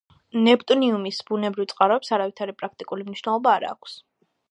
ნეპტუნიუმის ბუნებრივ წყაროებს არავითარი პრაქტიკული მნიშვნელობა არ ააქვს.